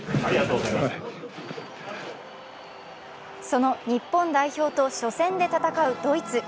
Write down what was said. その日本代表と初戦で戦うドイツ。